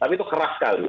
tapi itu keras sekali